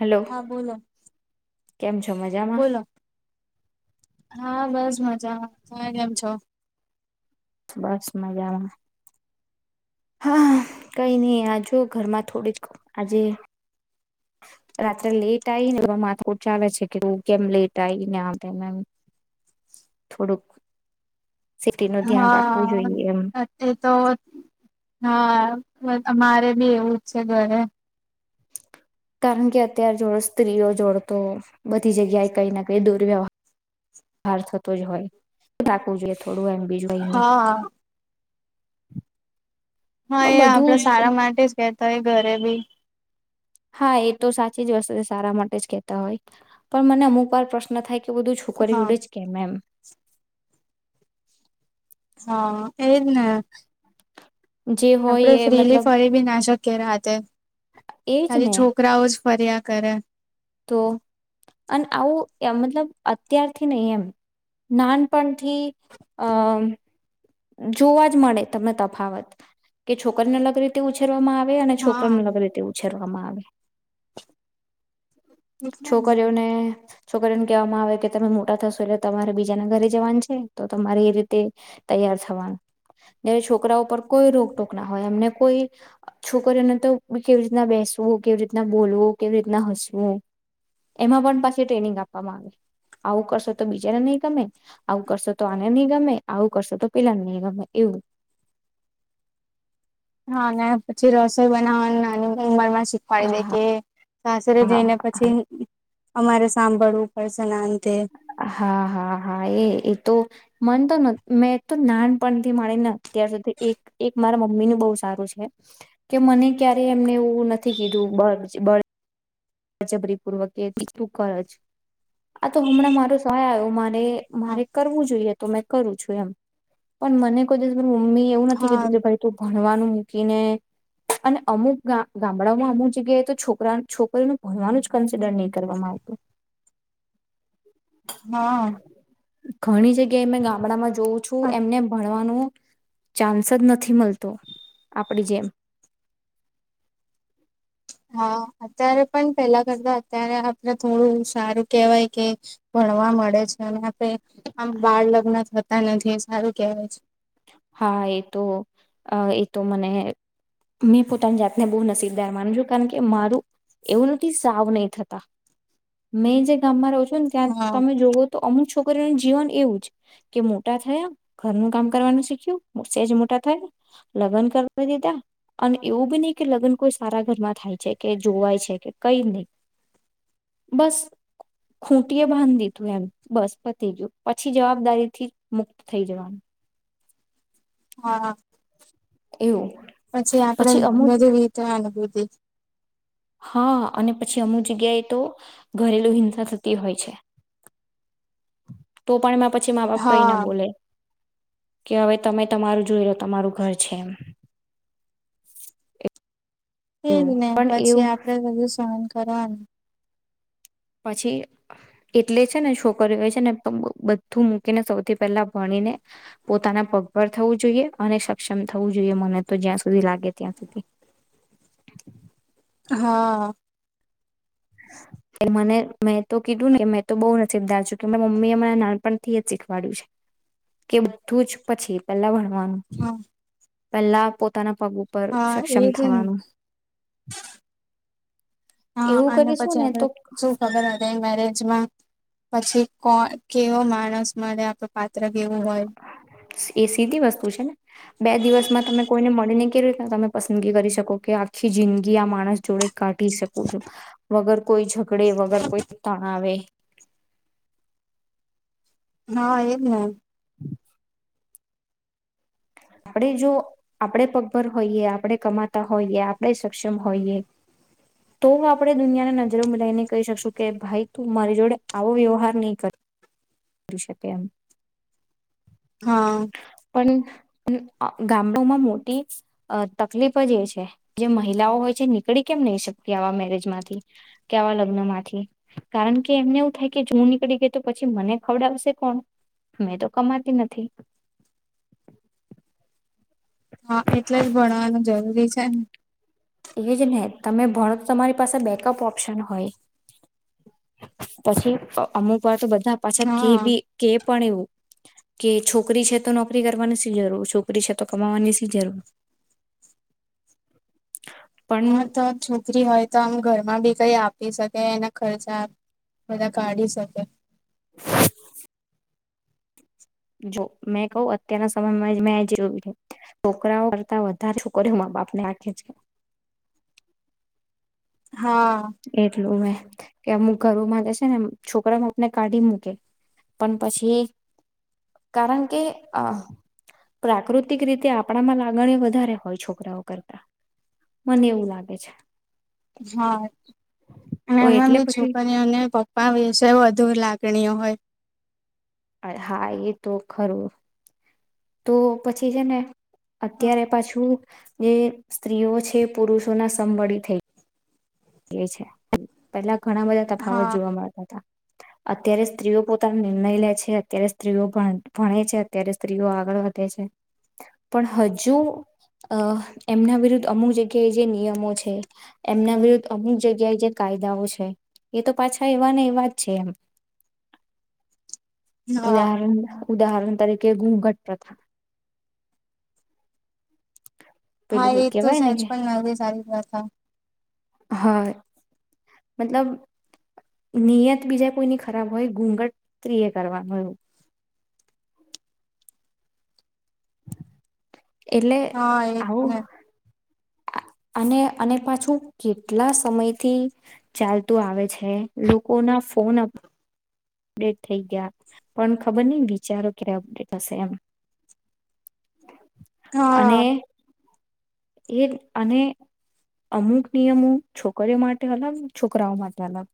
Hello હા બોલો કેમ છો મજામાં બોલો હા બસ મજામાં તમે કેમ છો બસ મજામાં હા કઈ નહી આ જો ઘરમાં થોડીક આજે રાત્રે લેટ આઈને એટલે માથાકૂટ ચાલે છે કે કેમ લેટ આઈને આમ તેમ થોડુંક સેફ્ટી નું ધ્યાન રાખવું હા જોઈએ એમ એ તો હા અમારે બી એવું જ છે ઘરે કારણ કે અત્યાર જોડ સ્ત્રીઓ જોડતો બધી જગ્યાએ કઈ ના કઈ દુર્વ્યવહારાર થતો જ હોય રાખવું જોઈએ, થોડું એમ બીજું કય નહી, હા હા, એ આપડે બધું જ સારા માટે જ કે કઈ ઘરે ભી હા એ તો સાચી જ વસ્તુ છે, સારા માટે જ કેહેતા હોય પણ મને અમુક વાર પ્રશ્ન થાય, કે તો બધું છોકરી હા જોડે જ કેમ એમ હા, એ જ ને જે આપડે હોય એ ફ્રીલી મતલબ ફરી બી ના શકીએ, રાતે એજ ખાલી ને છોકરાઓ જ ફર્યા કરે તો અન આવું એમ મતલબ અત્યારથી નહી, એમ નાનપણથી અ જોવા જ મળે, તમને તફાવત કે છોકરીઓને અલગ રીતે ઉછેરવામાં આવે અને હા છોકરાને અલગ રીતે ઉછેર માં આવે [inaudible] એટલે જ ને છોકરીઓને છોકરીઓને કહેવામાં આવે કે તમે મોટા થશો એટલે તમારે બીજાના ઘરે જવાન છે, તો તમારે એ રીતે તૈયાર થવાનું જયારે છોકરા ઉપર કોઈ રોકટોક ના હોય, એમને કોઈ છોકરીઓને તો કેવી રીતના બેસવું કેવી રીતના બોલવું કેવી રીતના હસવું, એમાં પણ પાછી ટ્રેનિંગ આપવામાં આવે આવું કરશો તો બીજાને નહીં, ગમે આવું કરશો તો આને નહીં ગમે આવું કરશો તો પેલાને નહી ગમે એવું, હા, પછી રસોઈ બનાવવા નાની ઉંમર માં હા શીખવાડી દે કે સાસરે હા જઈને પછી અમારે સાંભળવું પડ છે, ના હા હા હા એ એ તો મને તો મેં તો નાનપણથી મળીને અત્યાર સુધી એક એક મારા મમ્મીનુંું બહુ સારું છે, કે મને ક્યારે એમને એવું નથી કીધું બળ બળ જબરી પૂર્વક એ તું કરજ આ તો હમણાં મારો સહાય આવ્યો મા હા મારે કરવું જોઈએ, તો મે કરું છું, એમ પણ મને કોઈ દિવ હ મેં એવું નથી હા કીધું કે ભાઈ તું ભણ ભણવાનું મૂકીને અને અમુક ગામડાઓમાં અમુક જગ્યાએ તો છોકરા છોકરીનું હો એવાનું જ કન્સિડર નહી, કરવાવામાં આવતું હા ઘણી જગ્યાએ મેં ગામડામાં જોઉં છું, અ એમને ભણવાનું ચાન્સ જ નથી, મળતો આપડી જેમ હા, અત્યારે પણ પેલા કરતા અત્યારે આપણે થોડું સારું કેહેવાય, કે ભણવા મળે છે, અને આપણે આમ બાળ લગ્ન હત નથી સારું કેહેવાય છે. હા એ તો એ તો મને મેં પોતાની જાતને બહુ નસીબદાર માનું છું, કારણ કે મારું એવું નથી સાવ નહી થતા મેં જે ગામમાં રહ છું. ત્યાં હા. તમે જોવો તો અમુક છ જીવન એવું જ કે મોટા થયા ઘરનું કામ કરવાનું શીખ છું મોટા થાય લગ્ન કરી દીધા અને એવું બી નહી કે લગ્ન કોઈ સારા ઘરમાં થાય છે કે જોવાય છે કે કઈ નહી બસ ખૂટીએ બાંધી દીધું એમ બસ પતી ગયું પછી જવાબદારી થી મુક્ત થઈ જવાનું હા. એવું પછી આપડે બધું વીતવાનું [inaudible] હા અને પછી અમુક જગ્યાએ તો ઘરેલું હિંસા થતી હોય છે. તો પણ એમાં પછી મા બાપ કઈ ના હા. બોલે કે હવે તમે તમારું જોઈ લો તમારું ઘર છે એમ એજ એવું ને પણ પછી એવું આપડે બધું સહન ખરાબ પછી એટલે છે ને છોકરીઓ છે ને બધું મૂકીને સૌથી પહેલા ભણીને પોતાના પગભર થવું જોઈએ અને સક્ષમ થવું જોઈએ મને તો જ્યાં સુધી લાગે ત્યાં સુધી. હા. મને મેં તો કીધું ને મેં તો બો નસીબદાર છું મતલબ મમ્મી એ મને નાનપણ થી જ શીખવાડ્યું છે કે બધું જ પછી પેલ્લા હમ હા પેલા પોતાના પગ ઉપર હા સક્ષમ એજ ને થાવાનું એવું કરીશ. ચાલે શું ખબર હતી મેરેજ પછી કો કેવો માણસ મળે? આપડ પાત્ર કેવું હોય? એ સીધી વસ્તુ છે ને બે દિવસમાં તમે કોઈને મળીને કેવી રીતના તમે પસંદગી કરી શકો કે આખી જિંદગી આ માણસ જોડે કાઢી શકો છો વગર કોઈ છો કડે વગર કોઈ તા. હવે હા એમને આપડે જો આપડે પગપર હોઈએ આપડે કમાતા હોઈએ આપડે સક્ષમ હોઈએ તો આપડે દુનિયાને નજરોમાં લાઈને કહી શકશું કે ભાઈ તું મારી જોડે આવો વ્યવહાર ની કર. રી શકે એમ હા. પણ ગામડામાં મોટી તકલીફ જ એ છે જે મહિલાઓ હોય છે નીકળી કેમ નહી શકે આવા મેરેજ માંથી કે આવા લગ્ન માંથી કારણ કે એમને એવું થાય કે જો નીકળી ગઈ તો પછી મને ખવડાવશે કોણ? મેં તો કમાતી નથી. હા એટલે જ ભણવાનું જરૂરી હમ. એ જ ને તમે ભણો તો તમારી પાસે બેકઅપ ઓપ્શન હોય પછી અમુક વાર તો બધ ધા પાછા કે હા બી કે પણ એવું કે છોકરી છે તો નોકરી કરવાની શી જરૂર છોકરી છે તો કમાવાની શી જરૂર [inaudible] હા તો છોકરી હોય તો આમ ગ માં બી કઈ આપી શકે એના ખર્ચા બધા કાઢી શકે. જો મેં કહું અત્યારના સમયમાં મેં જે છોકરાઓ કરતા વધારે છોકરીઓ મા બાપને રાખે છે. હા એટલું મે કે અમુક ઘરોમાં જશે ને છોકરામાં આપને કાઢી મૂકે પણ પછી કારણ કે અ પ્રાકૃતિક રીતે આપણામાં લાગણી વધારે હોય છોકરાઓ કરતા મને એવું લાગે છે. હા અને તો એમાં એટલે બી પછી છોકરીઓને પપ્પા વિશે વધુ લાગ કે ની હોય. હા એ તો ખરું તો પછી છે ને હા અત્યારે પાછું જે સ્ત્રીઓ છે પુરુષોના સમવળી થઈ એ છે પેલા ઘણા બધા તફાવત જોવા મળતા હતા. અત્યારે સ્ત્રીઓ પોતાનો નિર્ણય લે છે અત્યારે સ્ત્રીઓ ભણ ભણે છે અત્યારે સ્ત્રીઓ આગળ વધે છે પણ હજુ અ એમના વિરુદ્ધ અમુક જગ્યાએ જે નિયમો છે એમના વિરુદ્ધ અમુક જગ્યાએ જે કાયદાઓ છે એ તો પાછા એવાને એવા જ છે એમ હા ઉદાહરણ ઉદાહરણ તરીકે ઘૂઘટ પ્રથા હા પેલું એ તો કેવાય ને સહેજ પણ નવી સારી કથા હ મતલબ નિયત બીજા કોઈની ખરાબ હોય ઘૂઘટ ત્રીએ કરવાનું એવું એટલે હા એ જ આવું ને અને અને પાછું કેટલા સમયથી ચાલતું આવે છે લોકો ના ફોન અપડેટ થઈ ગયા પણ ખબર ની વિચારો ક્યારે અપડેટ થશે એમ અને હા એ અને અમુક નિયમો છોકરીઓ માટે અલગ છોકરાઓ માટે અલગ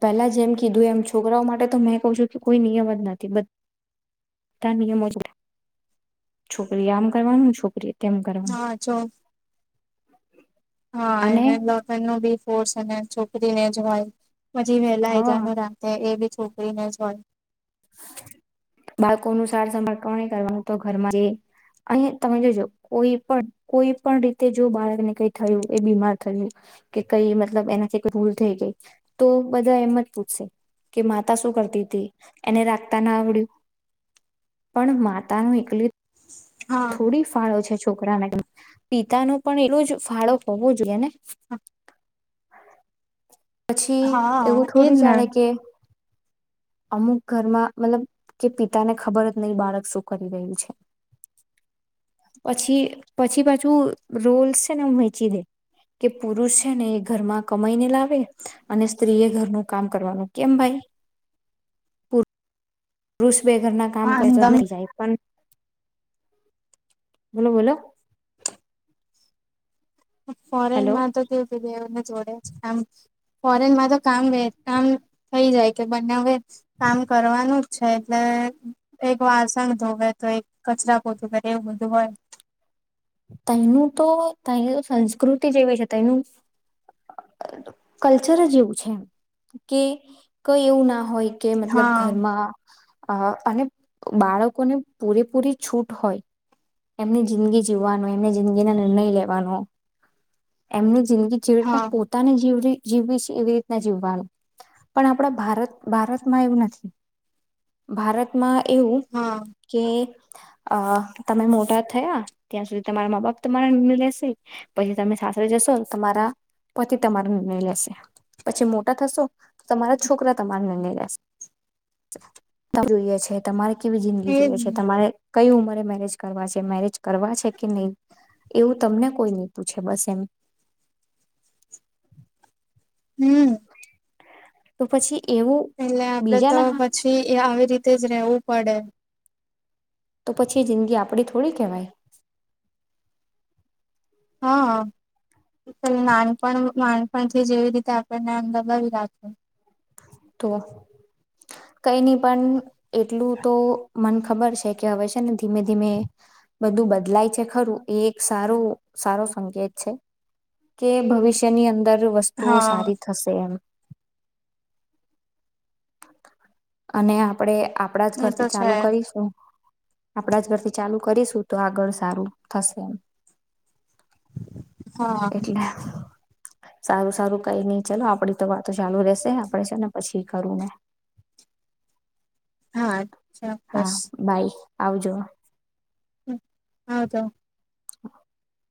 પહેલા જેમ કીધું એમ છોકરાઓ માટે તો મેં કહું છું કે કોઈ નિયમ જ નથી બ ધા નિયમો છોકરી આમ કરવાનું છોકરી તેમ કરવાનું હા જો હા અને એને [unintelligible] બી કોર્સ અને છોકરી ને જ હોય પછી વહેલા હા એજાનું રાતે એ બી છોકરીને જ હોય બાળકોનું સાર સંંભાળ કોને કરવાનું તો ઘરમાં જે અને તમે જોજો કોઈ પણ કોઈ પણ રીતે જો બાળકને કઈ થયું એ બીમાર થયું કે કઈ મતલબ એનાથી કઈ ભૂલ થઈ ગઈ તો બધા એમ જ પૂછશે કે માતા શું કરતી તી એને રાખતા ના આવડ્યું પણ માતાનું એકલું હા થોડી ફાળો છે. છોકરાને પિતાનો પણ એટલો જ ફાળો હોવો જોઈએ ને હા પછી એવું એજ થોડી ને ચાલે કે અમુક ઘરમાં મતલબ કે પિતાને ખબર જ નહી બાળક શું કરી રહ્યું છે પછી પછી પાછુ રોલ છે ને હું વેચી દે કે પુરુષ છે ને એ ઘરમાં કમાઈને લાવે અને સ્ત્રી એ ઘરનું કામ કરવાનું કેમ ભાઈ પુ પુરુષ બેે ઘરના કામ હા કરે દમ [unintelligible] જાય પણ બોલો બોલો. હેલો ફોરેનમાં તો તે બધેને જોડે જ આમ ફોરેનમાં તો કામ કામ થઈ જાય કે બંને હવે કામ કરવાનું જ છે એટલે એક વાસણ ધોવે તો એક કચરા પોતું કરે એવું બધું હોય. તયનું તો તયની સંસ્કૃતિ જેવી છે તયનું કલ્ચર જ એવું છે કે કઈ એવું ના હોય કે મતલબ હા ઘરમાં અ અને બાળકોને પૂરેપૂરી છૂટ હોય. એમની જિંદગી જીવવાનો એમની જિંદગીના નિર્ણય લેવાનો. એમનું જિંદગી જે હા રીતના પોતાને જીવવી જીવવી છે એવી રીતના જીવવાનું. પણ આપડા ભારત ભારતમાં એવું નથી ભારતમાં એવું, હા કે આ તમે મોટા થયા ત્યાં સુધી તમારા મા બાપ તમારા નિર્ણય લેશે પછી તમે સાસરે જશો તમારા પતિ તમારો નિર્ણય લેશે પછી મોટા થશો તમારા છોકરા તમારો નિર્ણય લેશે જોઈએ છે તમારે કેવી જિંદગી એજ જોઈએ છે ને તમારે? કઈ ઉંમરે મેરેજ કરવા છે, મેરેજ કરવા છે કે નઈ, એવું તમને કોઈ ની પૂછે બસ એમ. હમ્મ. તો પછી એવું એટલે આપડે બીજા તો ના પછી એ આવી રીતે જ રેવું પડે તો પછી જિંદગી આપડી થોડી કહેવાય. હા હા. અ નાનપણ નાન પણથી જેવી રીતે આપણને આમ દબાવી રાખે. તો કઈ નહી પણ એટલું તો મને ખબર છે કે હવે છે ને ધીમે ધીમે બધું બદલાય છે ખરું એ એક સારું સારો સંકેત છે કે ભવિષ્યની અંદર વસ્તુઓ સારી હા થશે એમ. અને આપડે આપણા જ એ તો ઘરથી છે ચાલુ કરીશું. આપણા જ ઘરથી ચાલુ કરીશું તો આગળ સારું થશે એમ. હા એટલા. સારું સારું કઈ નઈ ચાલ આપડી તો વાતો ચાલુ રેશે પડે છે, ને પછી કરું મેં. હા ચા હા બસ. બાય આવજો. હા તો. [inaudible]